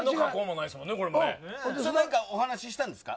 何かお話したんですか。